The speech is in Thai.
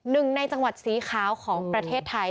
หนึ่งในจังหวัดสีขาวของประเทศไทย